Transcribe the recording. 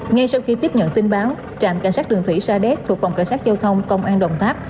ngay sau khi tiếp nhận tin báo trạm cảnh sát đường thủy sa đéc thuộc phòng cảnh sát giao thông công an đồng tháp